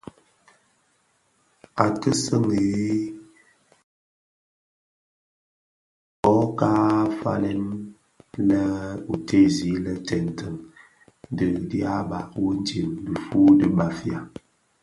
I ti siňii tifufuli, kō ka falèn lè tè tèèzi lè tèntèň dhi ndieba utsem dhifuu di Bafia.